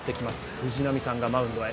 藤浪さんがマウンドへ。